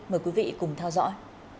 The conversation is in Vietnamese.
mời quý vị cùng theo dõi